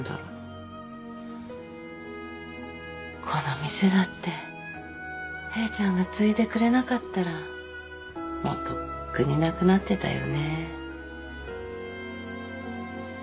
この店だってヘイちゃんが継いでくれなかったらもうとっくになくなってたよね。